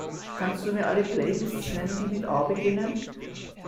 Kannst Du mir alle Playlists nennen, die mit A beginnen?